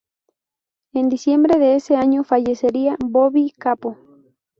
En diciembre de ese año fallecería Bobby Capó.